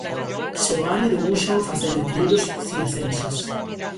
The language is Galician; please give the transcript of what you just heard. Seoane debúxao facendo equilibrios circenses.